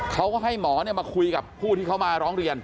เขาก็ให้หมอมาคุยกับผู้ที่เขามาร้องเรียน